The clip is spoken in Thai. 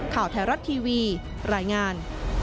ข่าวไทยรัฐทีวีรายงาน